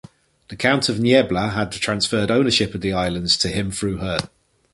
The Count of Niebla had transferred ownership of the islands to him through her.